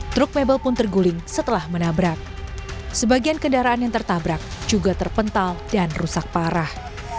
truk mebel pun terguling setelah menabrak sebagian kendaraan yang tertabrak juga terpental dan rusak parah